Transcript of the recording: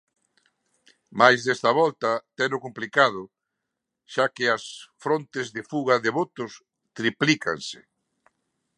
Mais desta volta teno complicado, xa que as frontes de fuga de votos triplícanse.